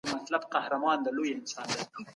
کورټیزول اوږدمهاله زیاتوالی ستونزې جوړوي.